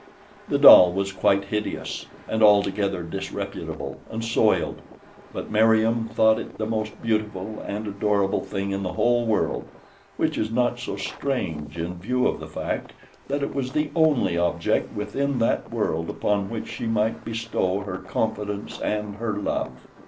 The doll was quite hideous and altogether disreputable and soiled, but Meriem thought it the most beautiful and adorable thing in the whole world, which is not so strange in view of the fact that it was the only object within that world upon which she might bestow her confidence and her love.